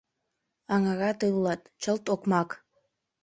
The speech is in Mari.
«Аҥыра тый улат, чылт окмак!